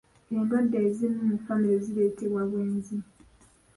Endwadde ezimu mu famire zireetebwa bwenzi.